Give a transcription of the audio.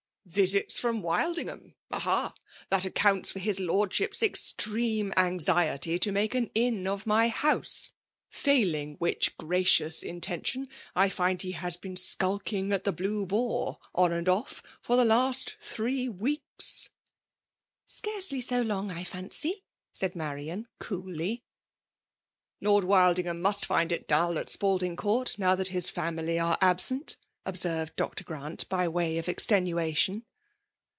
f ,"^ Visits £coQi Wildingham ? Aha ! ThiA ^CPpi]^ts,for his lorddhip's cxtremo axudetyrtor make an inn of my house ; failing whioh gav/ cious intention, I ind he has been skuUattg at the Bhie Boar, on and off, for the last thxott veel^J' " Scarcely, so long, I fancy/' siiid Martaa.* coolly. ,." Lord Wildingham must find it dull at ^aldin;^ Court, now that his family arc aV. s^nt,*' observed Dr« Grant, by way of extenua* tion.